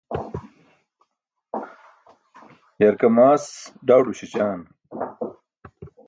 yarkamaas ḍawḍo śećan